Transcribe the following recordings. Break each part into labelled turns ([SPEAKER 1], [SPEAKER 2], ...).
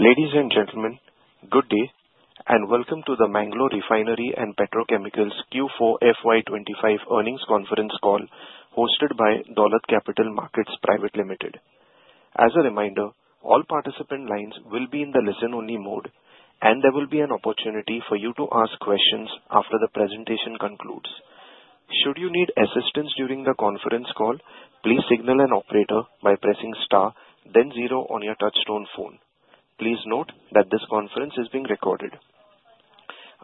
[SPEAKER 1] Ladies and gentlemen, good day, and welcome to the Mangalore Refinery and Petrochemicals Q4 FY 2025 earnings conference call hosted by Dolat Capital Markets Private Limited. As a reminder, all participant lines will be in the listen-only mode, and there will be an opportunity for you to ask questions after the presentation concludes. Should you need assistance during the conference call, please signal an operator by pressing star, then zero on your touchtone phone. Please note that this conference is being recorded.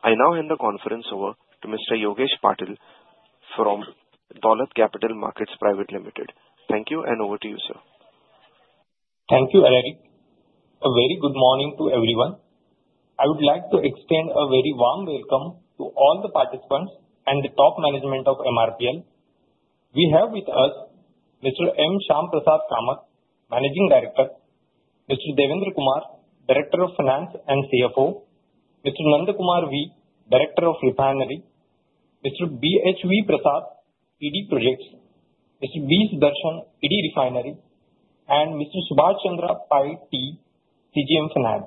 [SPEAKER 1] I now hand the conference over to Mr. Yogesh Patil from Dolat Capital Markets Private Limited. Thank you, and over to you, sir.
[SPEAKER 2] Thank you, Rwik. A very good morning to everyone. I would like to extend a very warm welcome to all the participants and the top management of MRPL. We have with us Mr. M. Shyamprasad Kamath, Managing Director, Mr. Devendra Kumar, Director of Finance and CFO, Mr. Nandakumar V, Director of Refinery, Mr. B.H.V. Prasad, PD Projects, Mr. B. Sudarshan, PD Refinery, and Mr. T. Subhash Chandra Pai, CGM Finance.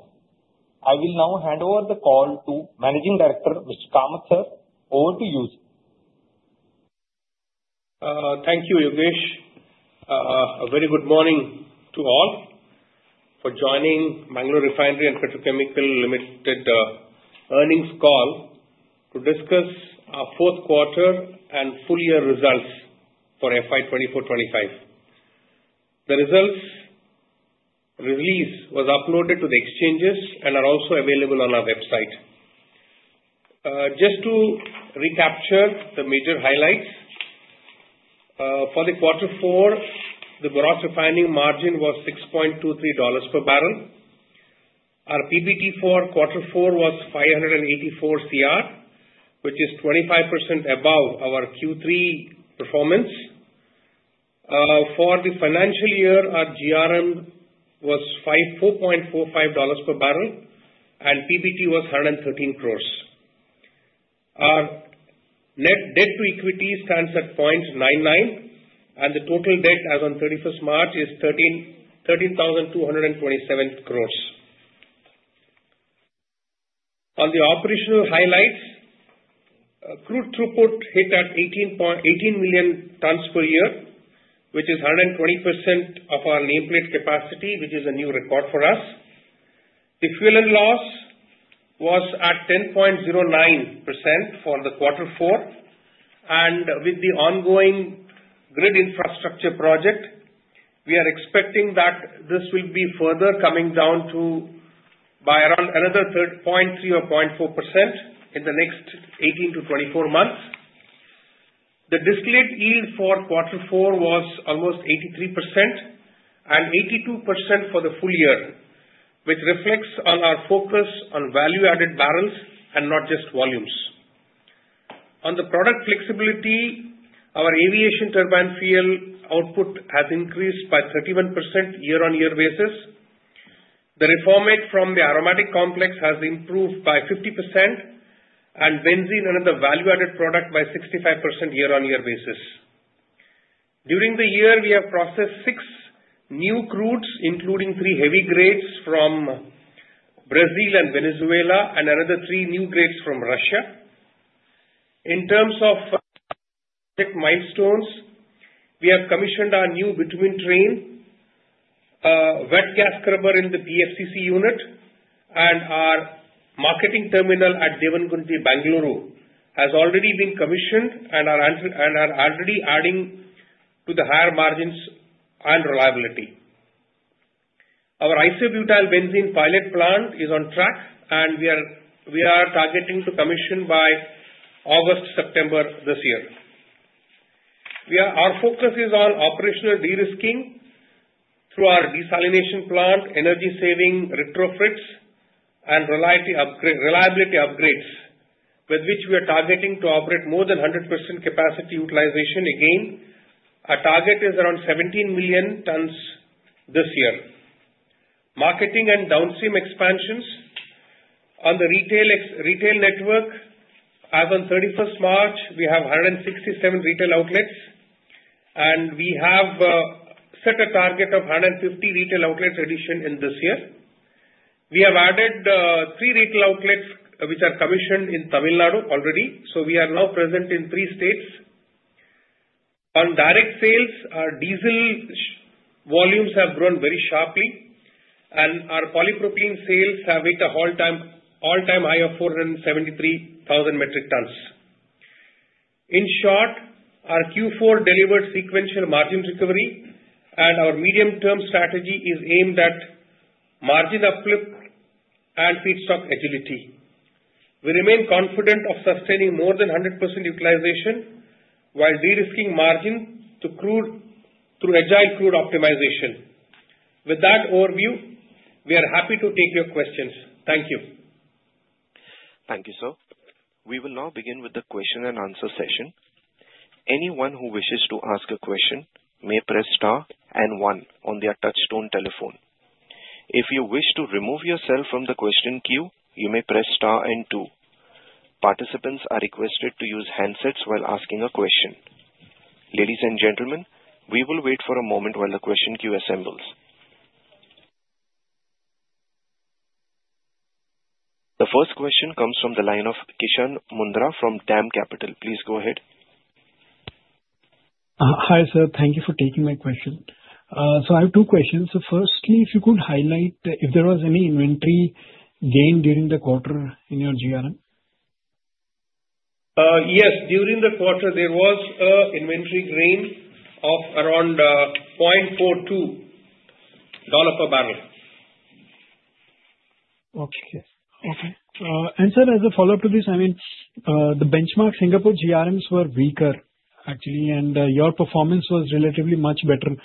[SPEAKER 2] I will now hand over the call to Managing Director, Mr. Kamath sir. Over to you, sir.
[SPEAKER 3] Thank you, Yogesh. A very good morning to all for joining Mangalore Refinery and Petrochemicals Limited's earnings call to discuss our fourth quarter and full year results for FY 2024-2025. The results release was uploaded to the exchanges and are also available on our website. Just to recap the major highlights, for the quarter four, the gross refining margin was $6.23 per barrel. Our PBT for quarter four was 584 Cr, which is 25% above our Q3 performance. For the financial year, our GRM was $4.45 per barrel, and PBT was 113 crores. Our net debt to equity stands at 0.99, and the total debt as of 31st March is 13,227 crores. On the operational highlights, crude throughput hit at 18 million tons per year, which is 120% of our nameplate capacity, which is a new record for us. The fuel loss was at 10.09% for the Q4, and with the ongoing grid infrastructure project, we are expecting that this will be further coming down to by around another 0.3% or 0.4% in the next 18-24 months. The distillate yield for quarter four was almost 83% and 82% for the full year, which reflects on our focus on value-added barrels and not just volumes. On the product flexibility, our aviation turbine fuel output has increased by 31% year-on-year basis. The reformate from the aromatic complex has improved by 50%, and benzene and other value-added products by 65% year-on-year basis. During the year, we have processed six new crudes, including three heavy grades from Brazil and Venezuela and another three new grades from Russia. In terms of milestones, we have commissioned our new bitumen train, wet gas scrubber in the PFCC unit, and our marketing terminal at Devangonthi, Bangalore, has already been commissioned and are already adding to the higher margins and reliability. Our isobutyl benzene pilot plant is on track, and we are targeting to commission by August, September this year. Our focus is on operational de-risking through our desalination plant, energy-saving retrofits, and reliability upgrades, with which we are targeting to operate more than 100% capacity utilization again. Our target is around 17 million tons this year. Marketing and downstream expansions on the retail network. As of 31st March, we have 167 retail outlets, and we have set a target of 150 retail outlets addition in this year. We have added three retail outlets which are commissioned in Tamil Nadu already, so we are now present in three states. On direct sales, our diesel volumes have grown very sharply, and our polypropylene sales have hit an all-time high of 473,000 metric tons. In short, our Q4 delivered sequential margin recovery, and our medium-term strategy is aimed at margin uplift and feedstock agility. We remain confident of sustaining more than 100% utilization while de-risking margin through agile crude optimization. With that overview, we are happy to take your questions. Thank you.
[SPEAKER 1] Thank you, sir. We will now begin with the question and answer session. Anyone who wishes to ask a question may press star and one on their touch-tone telephone. If you wish to remove yourself from the question queue, you may press star and two. Participants are requested to use handsets while asking a question. Ladies and gentlemen, we will wait for a moment while the question queue assembles. The first question comes from the line of Kishan Mundhra from DAM Capital. Please go ahead.
[SPEAKER 4] Hi, sir. Thank you for taking my question. So I have two questions. So firstly, if you could highlight if there was any inventory gain during the quarter in your GRM?
[SPEAKER 3] Yes. During the quarter, there was an inventory gain of around $0.42 per barrel.
[SPEAKER 4] Okay. And sir, as a follow-up to this, I mean, the benchmark Singapore GRMs were weaker, actually, and your performance was relatively much better.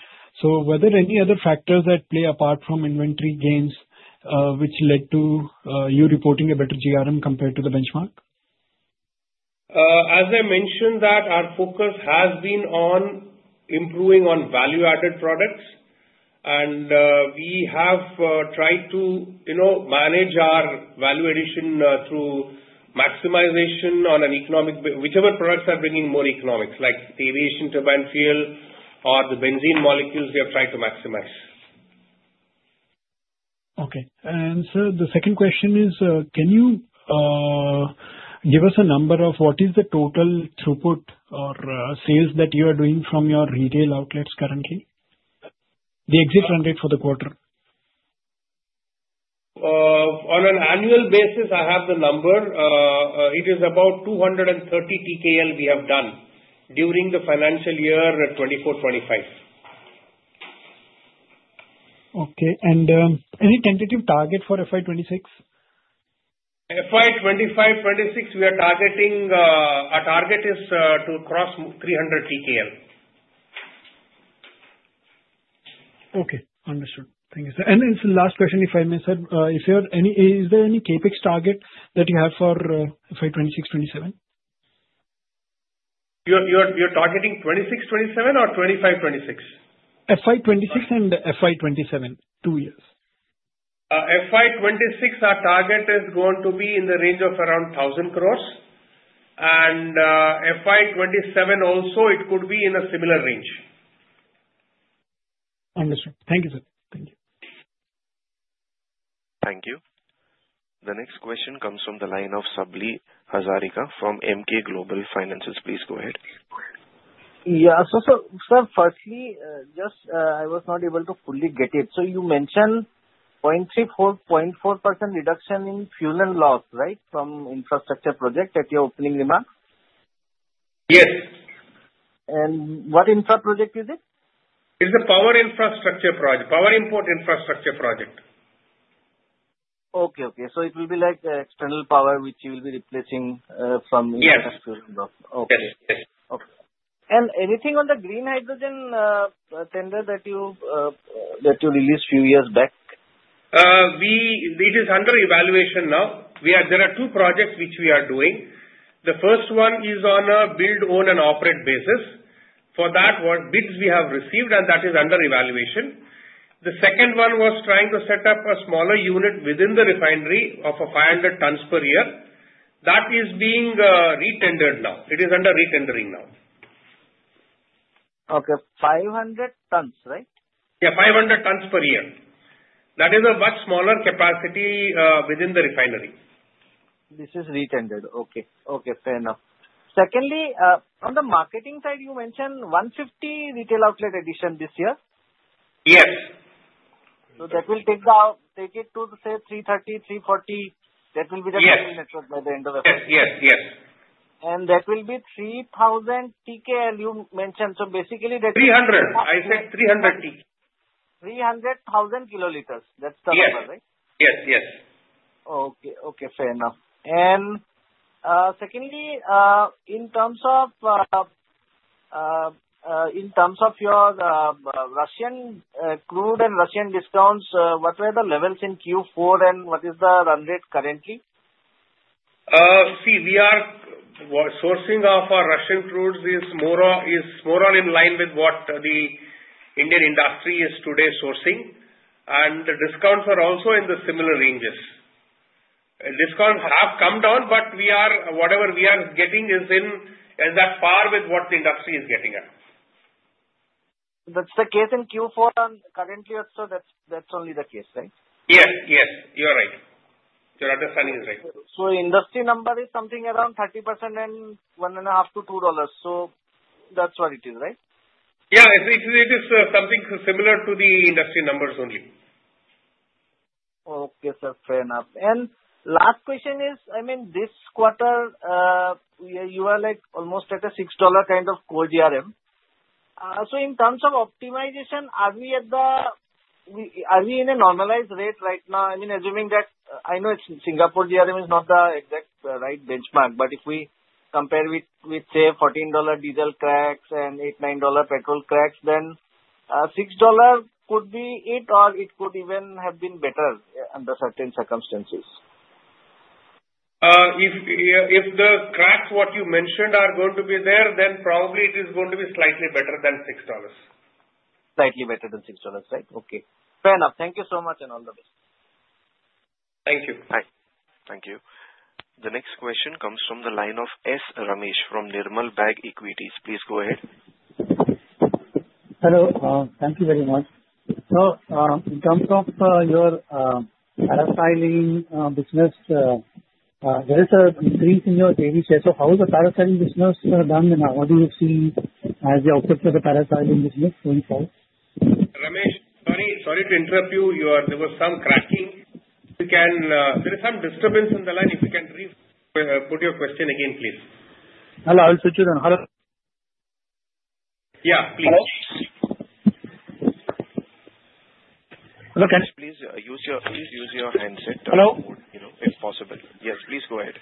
[SPEAKER 4] So were there any other factors that play a part apart from inventory gains which led to you reporting a better GRM compared to the benchmark?
[SPEAKER 3] As I mentioned, our focus has been on improving on value-added products, and we have tried to manage our value addition through maximization on an economic basis, whichever products are bringing more economics, like the aviation turbine fuel or the benzene molecules we have tried to maximize.
[SPEAKER 4] Okay, and sir, the second question is, can you give us a number of what is the total throughput or sales that you are doing from your retail outlets currently? The exit run rate for the quarter.
[SPEAKER 3] On an annual basis, I have the number. It is about 230 TKL we have done during the financial year 2024-2025.
[SPEAKER 4] Okay, and any tentative target for FY 2026?
[SPEAKER 3] FY 2025-2026, we are targeting our target is to cross 300 TKL.
[SPEAKER 4] Okay. Understood. Thank you, sir. And this is the last question, if I may, sir. Is there any CapEx target that you have for FY 2026-2027?
[SPEAKER 3] You're targeting 2026-2027 or 2025-2026?
[SPEAKER 4] FY 2026 and FY 2027, two years.
[SPEAKER 3] FY 2026, our target is going to be in the range of around 1,000 crores, and FY 2027 also, it could be in a similar range.
[SPEAKER 4] Understood. Thank you, sir. Thank you.
[SPEAKER 1] Thank you. The next question comes from the line of Sabri Hazarika from Emkay Global Financial Services. Please go ahead.
[SPEAKER 5] Yeah. So sir, firstly, just I was not able to fully get it. So you mentioned 0.34% reduction in fuel and loss, right, from infrastructure project at your opening remarks?
[SPEAKER 3] Yes.
[SPEAKER 5] What infra project is it?
[SPEAKER 3] It's a power infrastructure project, power import infrastructure project.
[SPEAKER 5] Okay. So it will be like external power, which you will be replacing from infrastructure.
[SPEAKER 3] Yes. Yes.
[SPEAKER 5] Okay. Anything on the green hydrogen tender that you released a few years back?
[SPEAKER 3] It is under evaluation now. There are two projects which we are doing. The first one is on a build, own, and operate basis. For that, bids we have received, and that is under evaluation. The second one was trying to set up a smaller unit within the refinery of 500 tons per year. That is being re-tendered now. It is under re-tendering now.
[SPEAKER 5] Okay. 500 tons, right?
[SPEAKER 3] Yeah, 500 tons per year. That is a much smaller capacity within the refinery.
[SPEAKER 5] This is re-tendered. Okay. Okay. Fair enough. Secondly, on the marketing side, you mentioned 150 retail outlet addition this year.
[SPEAKER 3] Yes.
[SPEAKER 5] So that will take it to, say, 330, 340. That will be the network by the end of.
[SPEAKER 3] Yes. Yes. Yes.
[SPEAKER 5] And that will be 3,000 TKL you mentioned. So basically.
[SPEAKER 3] 300. I said 300.
[SPEAKER 5] 300,000 kiloliters. That's the number, right?
[SPEAKER 3] Yes. Yes. Yes.
[SPEAKER 5] Okay. Okay. Fair enough. And secondly, in terms of your Russian crude and Russian discounts, what were the levels in Q4, and what is the run rate currently?
[SPEAKER 3] See, our sourcing of our Russian crudes is more or less in line with what the Indian industry is today sourcing, and the discounts are also in similar ranges. Discounts have come down, but whatever we are getting is on par with what the industry is getting.
[SPEAKER 5] That's the case in Q4, and currently, sir, that's only the case, right?
[SPEAKER 3] Yes. Yes. You're right. Your understanding is right.
[SPEAKER 5] So industry number is something around 30% and $1.5-$2. So that's what it is, right?
[SPEAKER 3] Yeah. It is something similar to the industry numbers only.
[SPEAKER 5] Okay, sir. Fair enough. And last question is, I mean, this quarter, you are almost at a $6 kind of core GRM. So in terms of optimization, are we in a normalized rate right now? I mean, assuming that I know Singapore GRM is not the exact right benchmark, but if we compare with, say, $14 diesel cracks and $8-$9 petrol cracks, then $6 could be it, or it could even have been better under certain circumstances.
[SPEAKER 3] If the cracks what you mentioned are going to be there, then probably it is going to be slightly better than $6.
[SPEAKER 5] Slightly better than $6, right? Okay. Fair enough. Thank you so much and all the best.
[SPEAKER 3] Thank you.
[SPEAKER 1] Thank you. The next question comes from the line of S. Ramesh from Nirmal Bang Equities. Please go ahead. Hello. Thank you very much. So in terms of your petrochemical business, there is an increase in your daily sales. So how is the petrochemical business doing now? What do you see as the output of the petrochemical business going forward?
[SPEAKER 3] Ramesh, sorry to interrupt you. There was some cracking. There is some disturbance in the line. If you can put your question again, please. Hello. I will switch you down. Hello. Yeah, please. Hello.
[SPEAKER 1] Please use your handset if possible. Yes, please go ahead.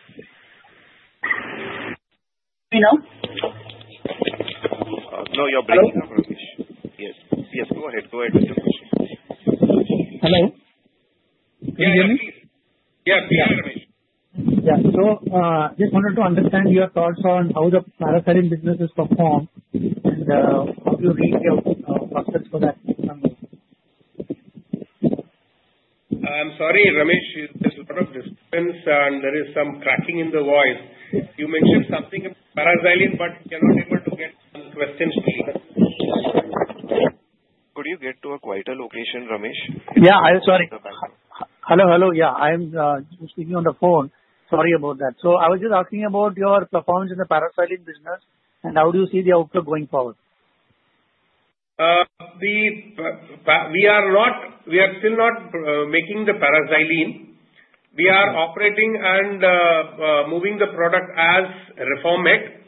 [SPEAKER 1] Can you hear me now?
[SPEAKER 3] No, you're breaking up, Ramesh. Yes. Yes. Go ahead. Go ahead. Hello. Can you hear me? Yeah. Yeah. Yeah. So just wanted to understand your thoughts on how the paraxylene business is performing and how you read your prospects for that. I'm sorry, Ramesh. There's a lot of disturbance, and there is some cracking in the voice. You mentioned something in passing, but you cannot be able to get. One question still.
[SPEAKER 1] Could you get to a quieter location, Ramesh? I'm sorry. Hello. Yeah. I'm speaking on the phone. Sorry about that. So I was just asking about your performance in the petrochemical business and how do you see the outcome going forward?
[SPEAKER 3] We are still not making the paraxylene. We are operating and moving the product as reformate.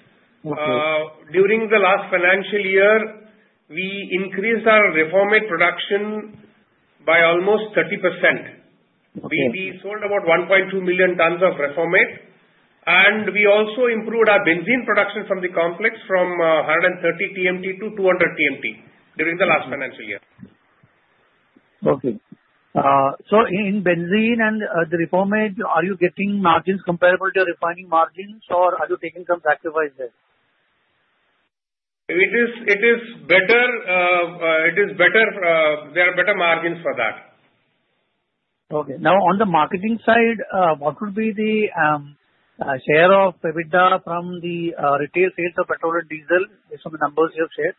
[SPEAKER 3] During the last financial year, we increased our reformate production by almost 30%. We sold about 1.2 million tons of reformate, and we also improved our benzene production from the complex from 130 TMT to 200 TMT during the last financial year. Okay. So in benzene and the reformate, are you getting margins comparable to your refining margins, or are you taking some sacrifice there? It is better. There are better margins for that. Okay. Now, on the marketing side, what would be the share of EBITDA from the retail sales of petrol and diesel based on the numbers you have shared?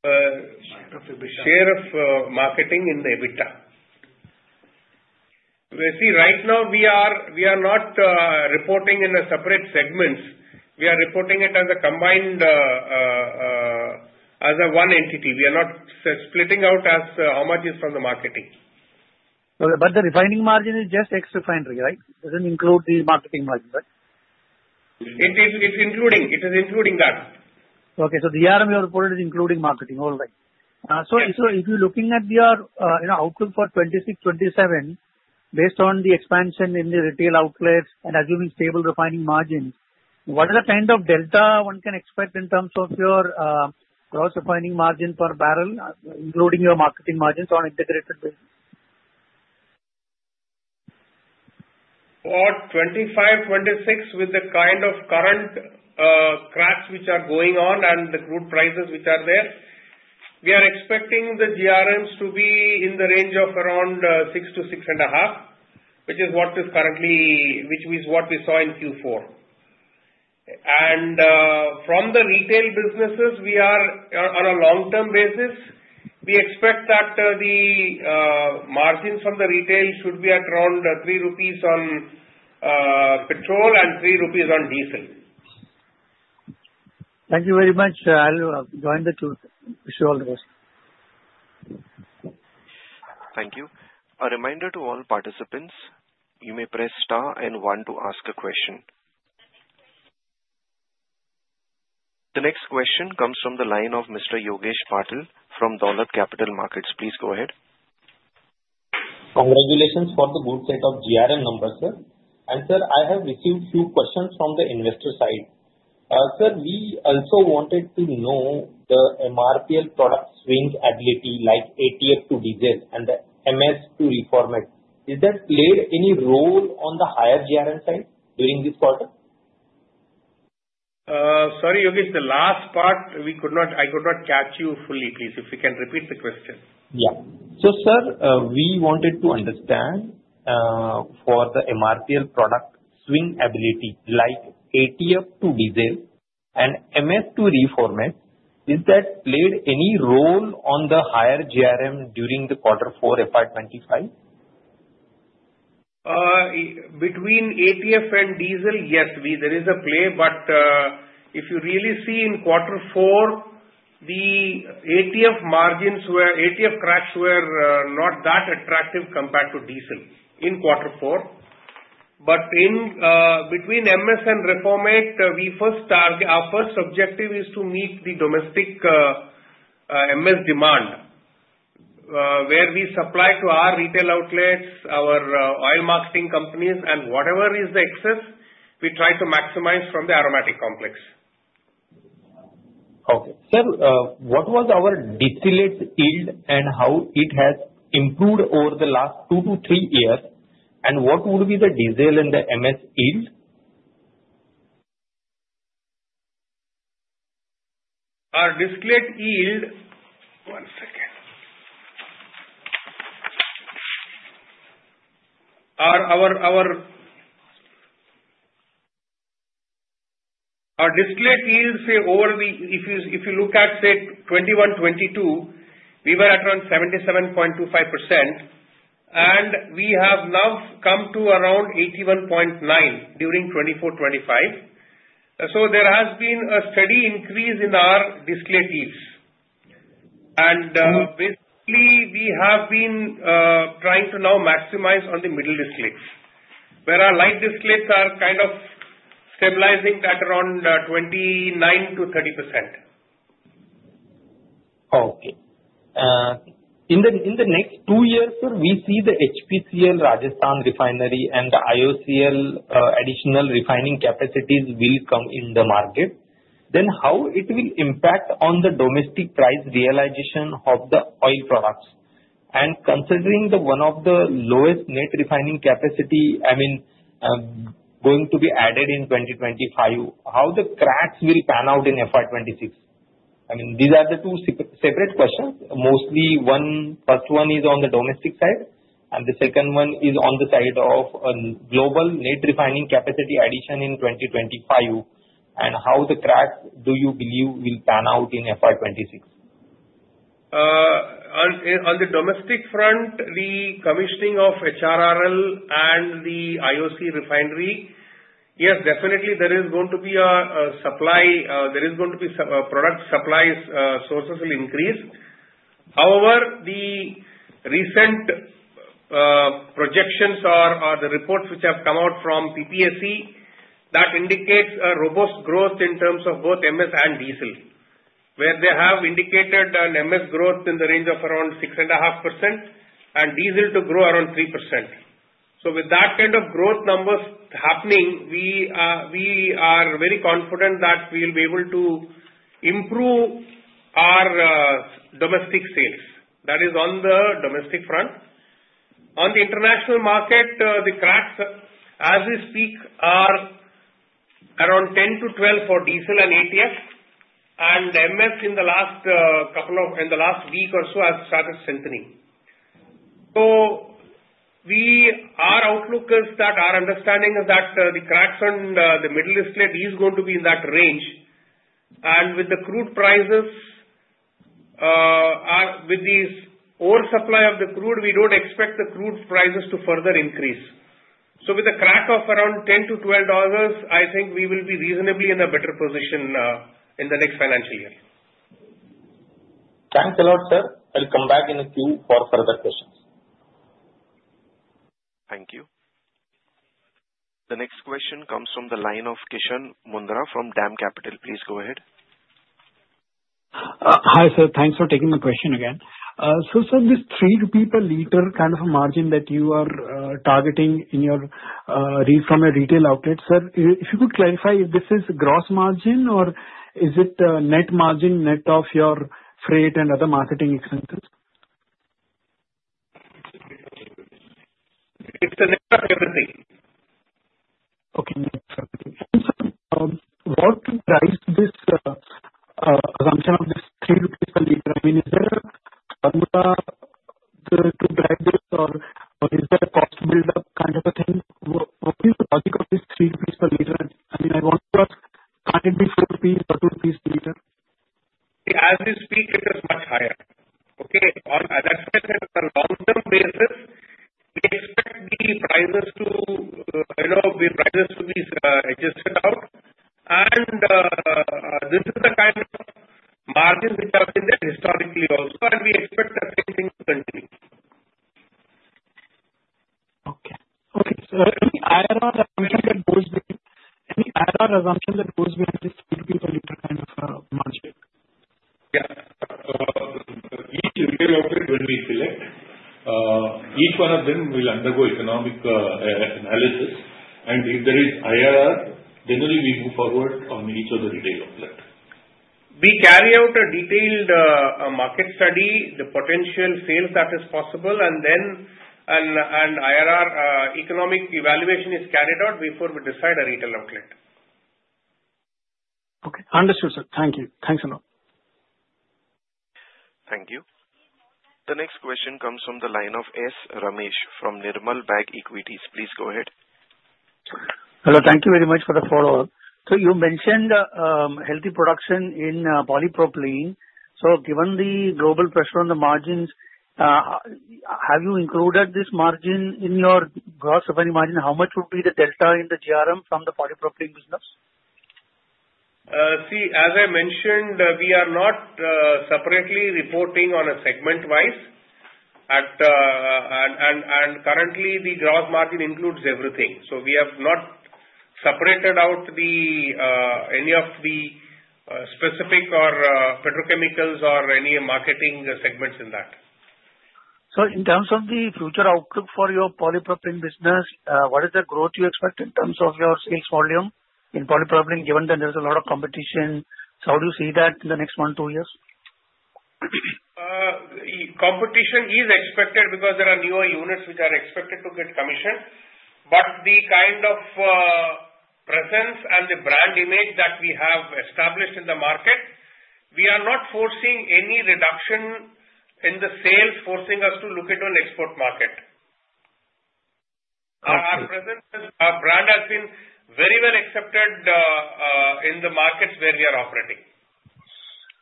[SPEAKER 3] Share of marketing in the EBITDA? See, right now, we are not reporting in a separate segment. We are reporting it as a combined one entity. We are not splitting out as how much is from the marketing. But the refining margin is just ex-refinery, right? It doesn't include the marketing margin, right? It is including that. Okay. So the GRM you have reported is including marketing. All right. So if you're looking at your outlook for 2026-2027, based on the expansion in the retail outlets and assuming stable refining margins, what are the kind of delta one can expect in terms of your gross refining margin per barrel, including your marketing margins on integrated basis? For 2025-2026, with the kind of current cracks which are going on and the crude prices which are there, we are expecting the GRMs to be in the range of around $6-$6.5, which is what is currently, which is what we saw in Q4. From the retail businesses, we are on a long-term basis; we expect that the margins from the retail should be at around 3 rupees on petrol and 3 rupees on diesel. Thank you very much. I'll join the queue to wish you all the best.
[SPEAKER 1] Thank you. A reminder to all participants, you may press star and one to ask a question. The next question comes from the line of Mr. Yogesh Patil from Dolat Capital Markets. Please go ahead.
[SPEAKER 2] Congratulations for the good set of GRM numbers, sir. And sir, I have received a few questions from the investor side. Sir, we also wanted to know the MRPL product swing ability, like ATF to diesel and the MS to reformate. Did that play any role on the higher GRM side during this quarter?
[SPEAKER 3] Sorry, Yogesh, the last part, I could not catch you fully. Please, if you can repeat the question.
[SPEAKER 2] Yeah. So, sir, we wanted to understand for the MRPL product swing ability, like ATF to diesel and MS to reformate, did that play any role on the higher GRM during the quarter four FY 2025?
[SPEAKER 3] Between ATF and diesel, yes, there is a play, but if you really see in quarter four, the ATF cracks were not that attractive compared to diesel in quarter four. But between MS and reformate, our first objective is to meet the domestic MS demand, where we supply to our retail outlets, our oil marketing companies, and whatever is the excess, we try to maximize from the aromatic complex.
[SPEAKER 2] Okay. Sir, what was our distillate yield and how it has improved over the last two to three years, and what would be the diesel and the MS yield?
[SPEAKER 3] Our distillate yield, say, over the, if you look at, say, 2021-2022, we were at around 77.25%, and we have now come to around 81.9% during 2024-2025, so there has been a steady increase in our distillate yields, and basically, we have been trying to now maximize on the middle distillates, where our light distillates are kind of stabilizing at around 29% to 30%.
[SPEAKER 2] Okay. In the next two years, sir, we see the HPCL Rajasthan Refinery and the IOCL additional refining capacities will come in the market. Then how it will impact on the domestic price realization of the oil products? And considering the one of the lowest net refining capacity, I mean, going to be added in 2025, how the cracks will pan out in FY 2026? I mean, these are the two separate questions. Mostly, one first one is on the domestic side, and the second one is on the side of global net refining capacity addition in 2025, and how the cracks, do you believe, will pan out in FY 2026?
[SPEAKER 3] On the domestic front, the commissioning of HRRL and the IOC refinery, yes, definitely, there is going to be a supply increase. Product supply sources will increase. However, the recent projections or the reports which have come out from PPAC indicate a robust growth in terms of both MS and diesel, where they have indicated an MS growth in the range of around 6.5% and diesel to grow around 3%. So with that kind of growth numbers happening, we are very confident that we will be able to improve our domestic sales. That is on the domestic front. On the international market, the cracks, as we speak, are around $10-$12 for diesel and ATF, and MS in the last couple of weeks or so has started strengthening. So our outlook is that our understanding is that the cracks on the middle distillate is going to be in that range. And with the crude prices, with the over-supply of the crude, we don't expect the crude prices to further increase. So with a crack of around $10-$12, I think we will be reasonably in a better position in the next financial year.
[SPEAKER 2] Thanks a lot, sir. I'll come back in the queue for further questions.
[SPEAKER 1] Thank you. The next question comes from the line of Kishan Mundhra from DAM Capital. Please go ahead.
[SPEAKER 4] Hi, sir. Thanks for taking my question again. So sir, this $3-$5 per liter kind of a margin that you are targeting for a retail outlet, sir, if you could clarify if this is gross margin or is it net margin, net of your freight and other marketing expenses?
[SPEAKER 3] It's the net of everything.
[SPEAKER 4] Okay. Net of everything. And sir, what drives this assumption of this $3-$4 per liter? I mean, is there a formula to drive this, or is there a cost buildup kind of a thing? What is the logic of this $3-$4 per liter? I mean, I want to ask, can it be $4-$5 per liter?
[SPEAKER 3] As we speak, it is much higher. Okay? On a long-term basis, we expect the prices to be adjusted out, and this is the kind of margin which has been there historically also, and we expect the same thing to continue.
[SPEAKER 4] Okay. Any Iran oil assumption that goes behind this $3-$5 per liter kind of a margin? Yeah. Each retail outlet, when we select, each one of them will undergo economic analysis, and if there is IRR, then we move forward on each of the retail outlet.
[SPEAKER 3] We carry out a detailed market study, the potential sales that is possible, and then an IRR economic evaluation is carried out before we decide a retail outlet.
[SPEAKER 4] Okay. Understood, sir. Thank you. Thanks a lot.
[SPEAKER 1] Thank you. The next question comes from the line of S. Ramesh from Nirmal Bang Equities. Please go ahead. Hello. Thank you very much for the follow-up. So you mentioned healthy production in polypropylene. So given the global pressure on the margins, have you included this margin in your gross refining margin? How much would be the delta in the GRM from the polypropylene business?
[SPEAKER 3] See, as I mentioned, we are not separately reporting on a segment-wise, and currently, the gross margin includes everything. So we have not separated out any of the specific or petrochemicals or any marketing segments in that. So in terms of the future outlook for your polypropylene business, what is the growth you expect in terms of your sales volume in polypropylene, given that there is a lot of competition? So how do you see that in the next one to two years? Competition is expected because there are newer units which are expected to get commissioned. But the kind of presence and the brand image that we have established in the market, we are not forcing any reduction in the sales, forcing us to look at an export market. Our brand has been very well accepted in the markets where we are operating.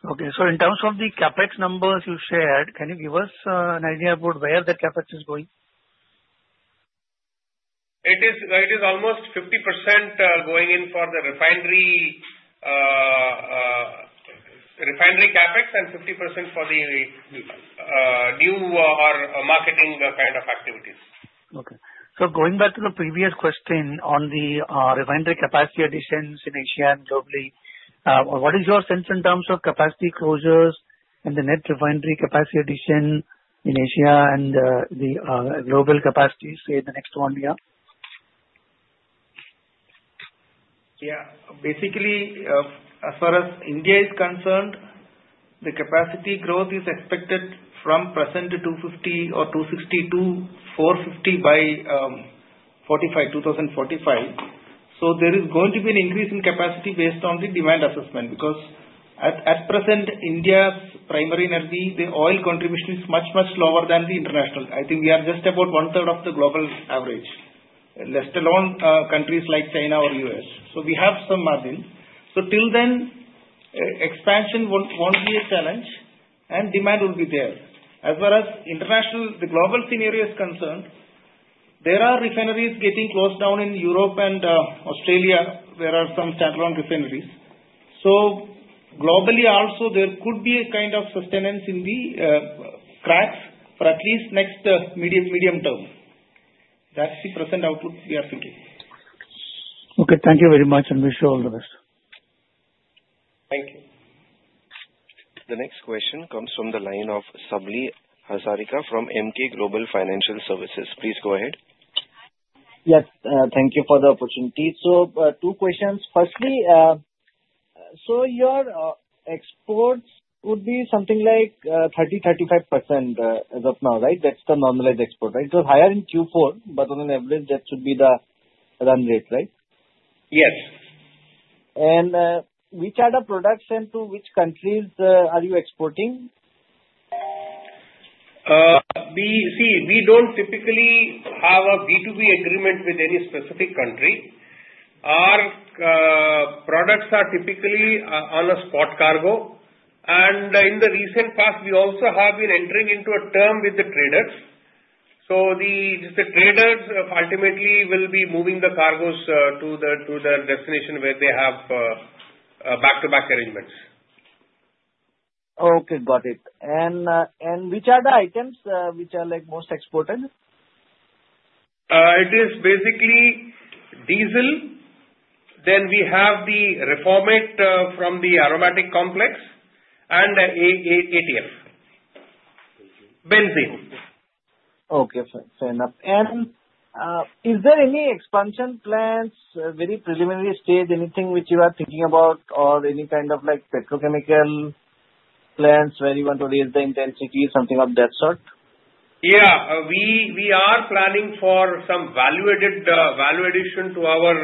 [SPEAKER 3] Okay. So in terms of the CapEx numbers you shared, can you give us an idea about where the CapEx is going? It is almost 50% going in for the refinery CapEx and 50% for the new marketing kind of activities. Okay. So going back to the previous question on the refinery capacity additions in Asia and globally, what is your sense in terms of capacity closures and the net refinery capacity addition in Asia and the global capacity, say, in the next one year? Yeah. Basically, as far as India is concerned, the capacity growth is expected from present to 250 or 260 to 450 by 2045. So there is going to be an increase in capacity based on the demand assessment because at present, India's primary energy, the oil contribution is much, much lower than the international. I think we are just about 1/3 of the global average, let alone countries like China or U.S. So we have some margin. So till then, expansion won't be a challenge, and demand will be there. As far as international, the global scenario is concerned, there are refineries getting closed down in Europe and Australia, where there are some standalone refineries. So globally, also, there could be a kind of sustenance in the cracks for at least next medium term. That's the present outlook we are thinking. Okay. Thank you very much, and wish you all the best. Thank you.
[SPEAKER 1] The next question comes from the line of Sabri Hazarika from Emkay Global Financial Services. Please go ahead.
[SPEAKER 5] Yes. Thank you for the opportunity. So two questions. Firstly, so your exports would be something like 30%-35% as of now, right? That's the normalized export, right? It was higher in Q4, but on an average, that should be the run rate, right?
[SPEAKER 3] Yes.
[SPEAKER 5] And which other products and to which countries are you exporting?
[SPEAKER 3] See, we don't typically have a B2B agreement with any specific country. Our products are typically on a spot cargo. And in the recent past, we also have been entering into a term with the traders. So the traders ultimately will be moving the cargoes to their destination where they have back-to-back arrangements.
[SPEAKER 5] Okay. Got it. And which are the items which are most exported?
[SPEAKER 3] It is basically diesel, then we have the reformate from the aromatic complex, and ATF. Benzene.
[SPEAKER 5] Okay. Fair enough. And is there any expansion plans, very preliminary stage, anything which you are thinking about, or any kind of petrochemical plants where you want to raise the intensity, something of that sort?
[SPEAKER 3] Yeah. We are planning for some value addition to our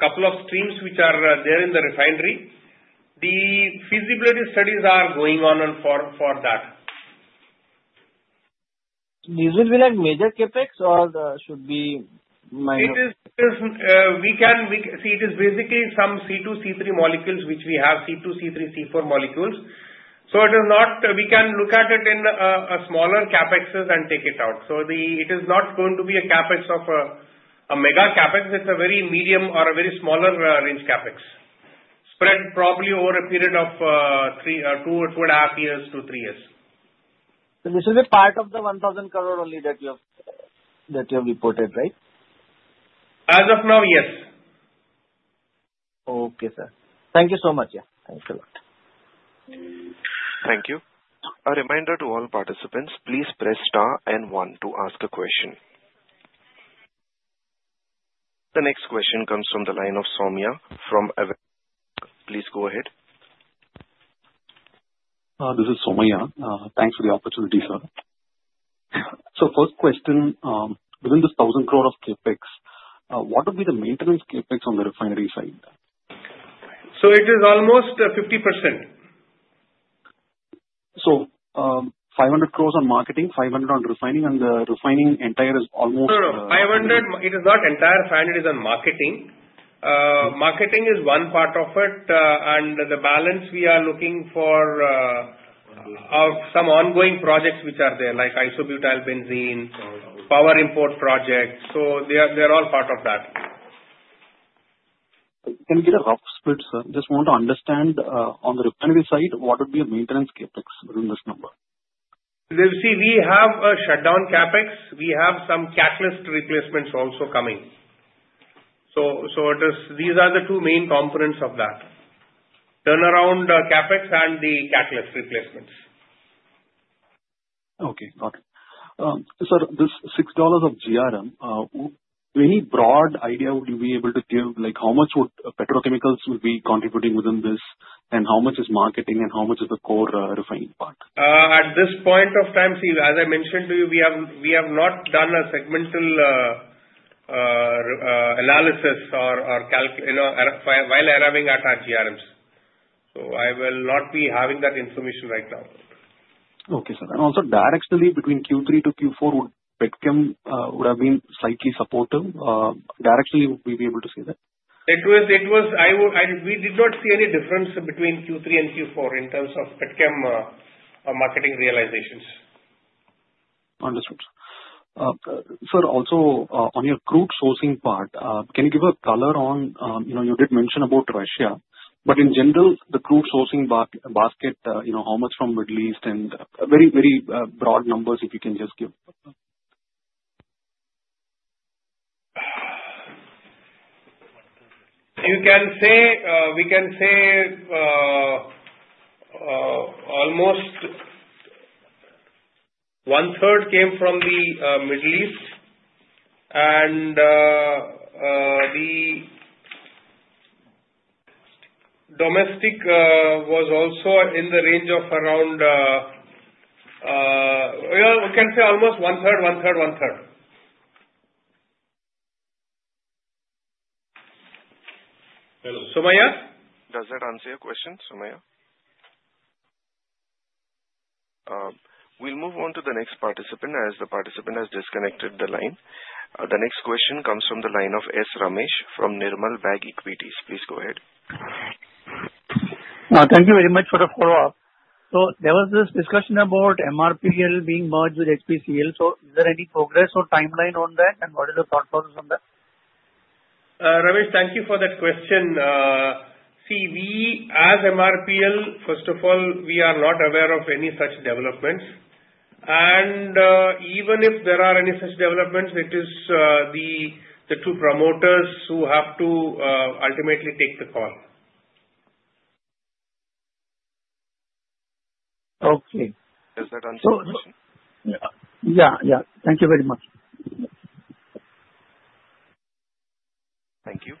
[SPEAKER 3] couple of streams which are there in the refinery. The feasibility studies are going on for that.
[SPEAKER 5] These will be like major CapEx or should be minor?
[SPEAKER 3] See, it is basically some C2, C3 molecules which we have, C2, C3, C4 molecules. So we can look at it in smaller CapExs and take it out. So it is not going to be a CapEx of a mega CapEx. It's a very medium or a very smaller range CapEx, spread probably over a period of two and a half years to three years.
[SPEAKER 5] So this will be part of the 1,000 crore only that you have reported, right?
[SPEAKER 3] As of now, yes.
[SPEAKER 5] Okay, sir. Thank you so much. Yeah. Thanks a lot.
[SPEAKER 1] Thank you. A reminder to all participants, please press star and one to ask a question. The next question comes from the line of Somya from Avendus. Please go ahead. This is Somya. Thanks for the opportunity, sir. So first question, within this 1,000 crore of CapEx, what would be the maintenance CapEx on the refinery side?
[SPEAKER 3] It is almost 50%. 500 crores on marketing, 500 crores on refining, and the refining entire is almost. No, no, no. 500 crores, it is not entire refinery is on marketing. Marketing is one part of it, and the balance we are looking for are some ongoing projects which are there, like isobutyl benzene, power import projects. So they are all part of that. Can we get a rough split, sir? Just want to understand on the refinery side, what would be a maintenance CapEx within this number? See, we have a shutdown CapEx. We have some catalyst replacements also coming. So these are the two main components of that: turnaround CapEx and the catalyst replacements. Okay. Got it. Sir, this $6 of GRM, any broad idea would you be able to give how much petrochemicals would be contributing within this, and how much is marketing, and how much is the core refining part? At this point of time, see, as I mentioned to you, we have not done a segmental analysis while arriving at our GRMs. So I will not be having that information right now. Okay, sir. And also, directionally, between Q3 to Q4, would Petchem have been slightly supportive? Directionally, would we be able to say that? It was. We did not see any difference between Q3 and Q4 in terms of Petchem marketing realizations. Understood. Sir, also, on your crude sourcing part, can you give a color on you did mention about Russia, but in general, the crude sourcing basket, how much from Middle East, and very, very broad numbers if you can just give? You can say almost 1/3 came from the Middle East, and the domestic was also in the range of around, we can say almost 1/3, 1/3, 1/3. Hello. Somya?
[SPEAKER 1] Does that answer your question, Somya? We'll move on to the next participant as the participant has disconnected the line. The next question comes from the line of S. Ramesh from Nirmal Bang Equities. Please go ahead. Thank you very much for the follow-up. So there was this discussion about MRPL being merged with HPCL. So is there any progress or timeline on that, and what is the thought process on that?
[SPEAKER 3] Ramesh, thank you for that question. See, as MRPL, first of all, we are not aware of any such developments. And even if there are any such developments, it is the two promoters who have to ultimately take the call. Okay.
[SPEAKER 1] Does that answer your question? Yeah. Yeah. Thank you very much. Thank you.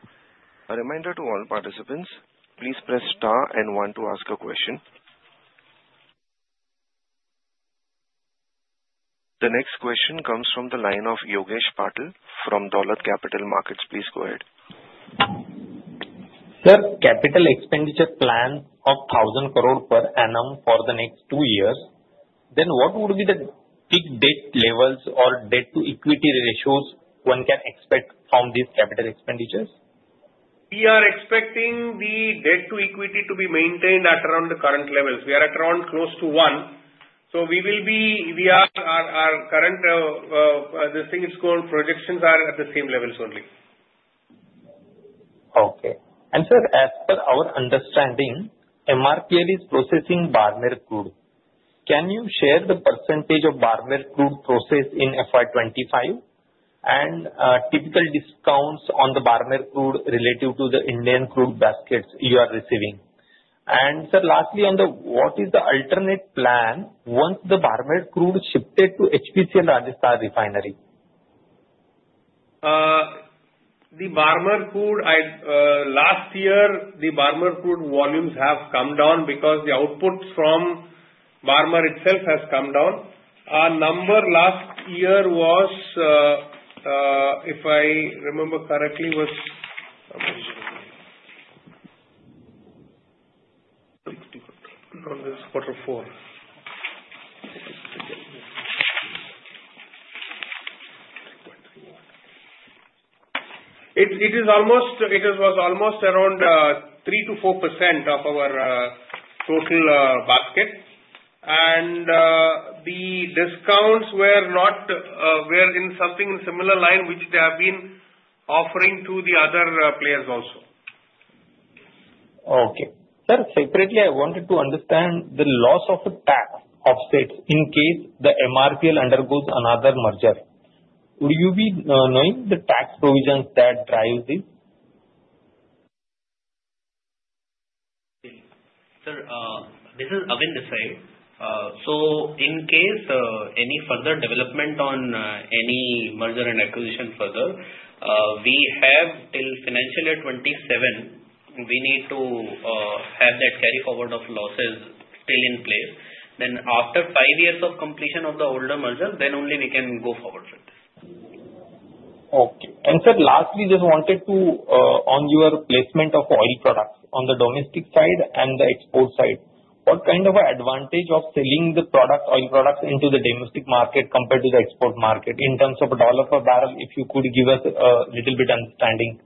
[SPEAKER 1] A reminder to all participants, please press star and one to ask a question. The next question comes from the line of Yogesh Patil from Dolat Capital Markets. Please go ahead.
[SPEAKER 2] Sir, capital expenditure plan of 1,000 crore per annum for the next two years, then what would be the peak debt levels or debt-to-equity ratios one can expect from these capital expenditures?
[SPEAKER 3] We are expecting the debt-to-equity to be maintained at around the current levels. We are at around close to one. So our current projections are at the same levels only.
[SPEAKER 2] Okay. And sir, as per our understanding, MRPL is processing Barmer crude. Can you share the percentage of Barmer crude processed in FY 2025 and typical discounts on the Barmer crude relative to the Indian crude baskets you are receiving? And sir, lastly, what is the alternate plan once the Barmer crude is shifted to HPCL Rajasthan Refinery?
[SPEAKER 3] Last year, the Barmer crude volumes have come down because the output from Barmer itself has come down. Our number last year was, if I remember correctly, almost around 3% to 4% of our total basket. The discounts were in something similar line which they have been offering to the other players also.
[SPEAKER 2] Okay. Sir, separately, I wanted to understand the loss of tax offsets in case the MRPL undergoes another merger. Would you be knowing the tax provisions that drive this? Sir, this is Avin Desai. So in case any further development on any merger and acquisition further, we have till financial year 2027, we need to have that carry forward of losses still in place. Then after five years of completion of the older merger, then only we can go forward with this. Okay. And sir, lastly, just wanted to on your placement of oil products on the domestic side and the export side, what kind of an advantage of selling the oil products into the domestic market compared to the export market in terms of dollar per barrel, if you could give us a little bit of understanding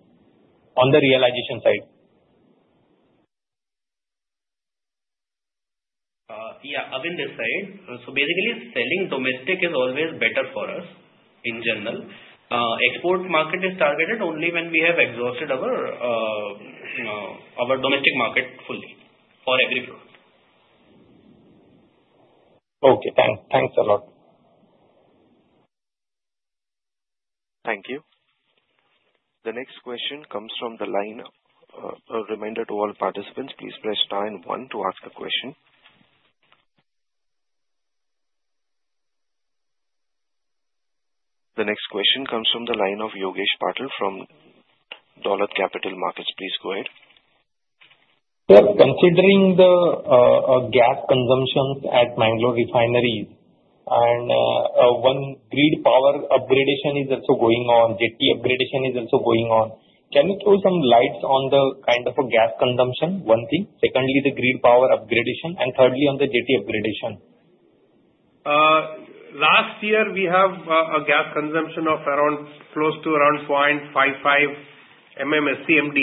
[SPEAKER 2] on the realization side? Yeah. Avin Desai, so basically, selling domestic is always better for us in general. Export market is targeted only when we have exhausted our domestic market fully for every product. Okay. Thanks a lot.
[SPEAKER 1] Thank you. The next question comes from the line of a reminder to all participants, please press star and one to ask a question. The next question comes from the line of Yogesh Patil from Dolat Capital Markets. Please go ahead.
[SPEAKER 2] Sir, considering the gas consumption at Mangalore Refinery and one grid power upgradation is also going on, JT upgradation is also going on, can you throw some lights on the kind of gas consumption, one thing? Secondly, the grid power upgradation, and thirdly, on the JT upgradation?
[SPEAKER 3] Last year, we have a gas consumption of close to around 0.55 MMSCMD,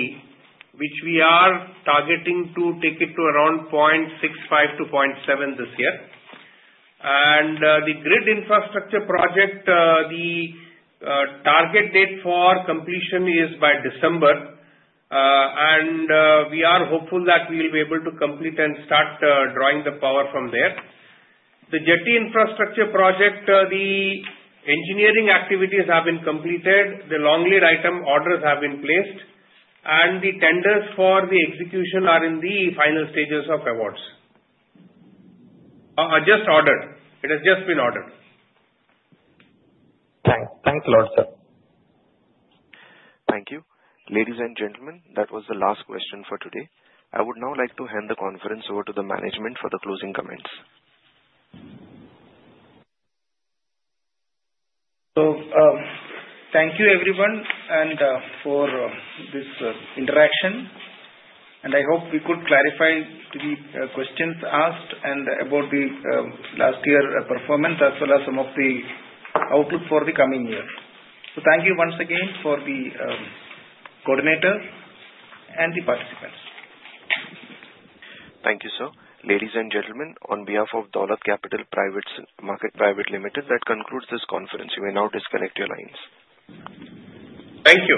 [SPEAKER 3] which we are targeting to take it to around 0.65-0.7 this year. The grid infrastructure project, the target date for completion is by December, and we are hopeful that we will be able to complete and start drawing the power from there. The jetty infrastructure project, the engineering activities have been completed, the long lead item orders have been placed, and the tenders for the execution are in the final stages of just ordered. It has just been ordered.
[SPEAKER 2] Thanks. Thanks a lot, sir.
[SPEAKER 1] Thank you. Ladies and gentlemen, that was the last question for today. I would now like to hand the conference over to the management for the closing comments.
[SPEAKER 3] So thank you, everyone, for this interaction. And I hope we could clarify the questions asked about the last year's performance as well as some of the outlook for the coming year. So thank you once again for the coordinators and the participants.
[SPEAKER 1] Thank you, sir. Ladies and gentlemen, on behalf of Dolat Capital Private Limited, that concludes this conference. You may now disconnect your lines.
[SPEAKER 3] Thank you.